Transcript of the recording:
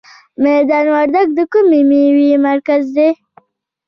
میدان وردګ د کومې میوې مرکز دی؟